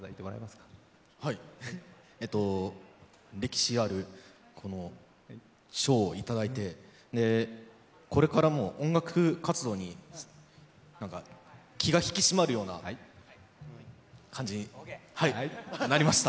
歴史あるこの賞をいただいて、これからも音楽活動に気が引き締まるような感じになりました。